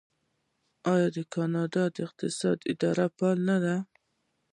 آیا د کاناډا فضایی اداره فعاله نه ده؟